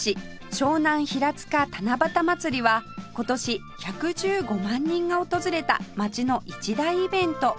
湘南ひらつか七夕まつりは今年１１５万人が訪れた街の一大イベント